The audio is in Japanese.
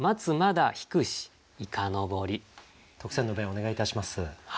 特選の弁をお願いいたします。